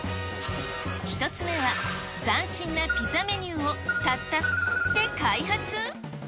１つ目は、斬新なピザメニューをたった×××で開発？